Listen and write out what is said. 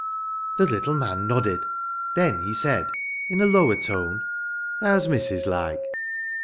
The little man nodded. Then he said in a lower tone: "How's missis, like?"